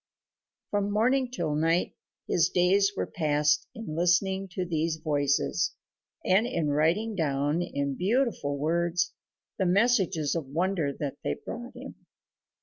From morning till night his days were passed in listening to these voices, and in writing down in beautiful words the messages of wonder they brought him.